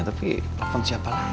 tapi telepon siapa lagi ya